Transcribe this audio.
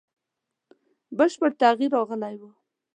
بشپړ تغییر راغلی وو.